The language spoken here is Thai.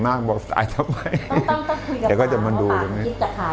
ไม่ต้องต้องคุยกับพ่อว่าพ่อคิดจะขายแล้วเพราะอะไรจะขายราคานี้